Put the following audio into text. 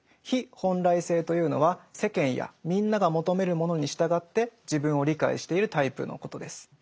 「非本来性」というのは世間やみんなが求めるものに従って自分を理解しているタイプのことです。